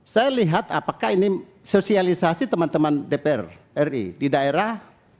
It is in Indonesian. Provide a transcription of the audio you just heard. saya lihat apakah ini sosialisasi teman teman dpr ri di daerah